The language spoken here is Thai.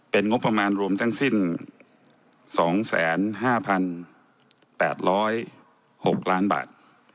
เป็นงบประมาณรวมทั้งสิ้น๒๕๘๐๖ล้านบาท